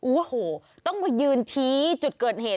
โอ้โหต้องมายืนชี้จุดเกิดเหตุ